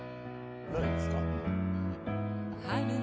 はい。